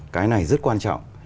cái này rất quan trọng